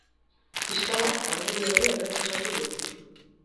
Fiskalak argudio hori errefusatu du.